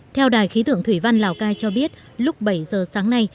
theo đài khí tượng thủy văn lào cai cho biết lúc bảy giờ sáng nay